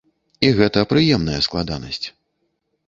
І гэта прыемная складанасць.